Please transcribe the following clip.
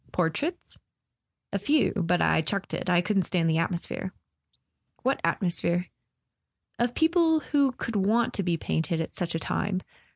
" Portraits ?" "A few. But I chucked it. I couldn't stand the at¬ mosphere." " What atmosphere ?" "Of people who could want to be painted at such a time.